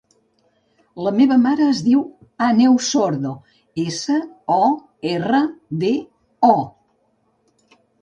La meva mare es diu Àneu Sordo: essa, o, erra, de, o.